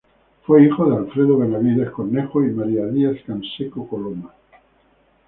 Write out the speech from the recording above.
Fue hijo de Alfredo Benavides Cornejo y María Diez-Canseco Coloma.